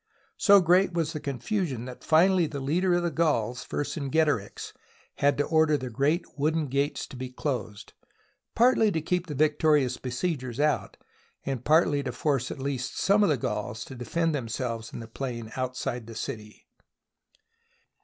So great was the confusion that finally the leader of the Gauls, Vercingetorix, had to order the great wooden gates to be closed, partly to keep the victorious besiegers out, and partly to force at least some of the Gauls to defend them selves in the plain outside the city.